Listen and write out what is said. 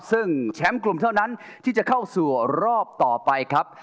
ซึ่งแชมป์กลุ่มเท่านั้นที่จะเข้าสู่รอบต่อไปครับ